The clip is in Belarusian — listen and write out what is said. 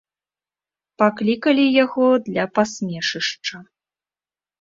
Паклікалі яго для пасмешышча.